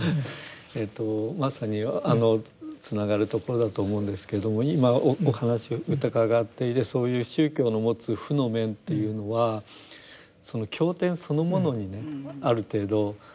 えっとまさにつながるところだと思うんですけど今お話を伺っていてそういう宗教の持つ負の面というのはその経典そのものにねある程度こうルーツがある。